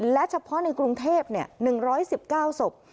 และเฉพาะในกรุงเทพ๑๑๙ศพ